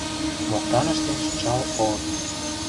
Моктаныштеш чал Олык.